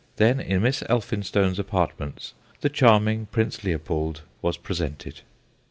Then, in Miss Elphinstone's apartments, the charming Prince Leopold was presented.'